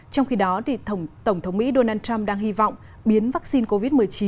trong khi đó tổng thống mỹ donald trump đang hy vọng biến vaccine covid một mươi chín